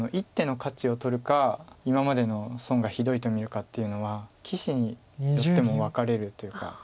１手の価値をとるか今までの損がひどいと見るかっていうのは棋士によっても分かれるというか。